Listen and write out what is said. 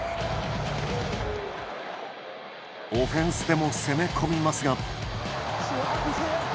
オフェンスでも攻め込みますが。